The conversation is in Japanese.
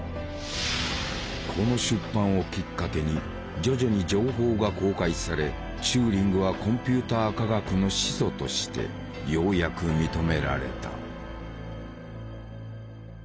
この出版をきっかけに徐々に情報が公開されチューリングはコンピューター科学の始祖としてようやく認められた。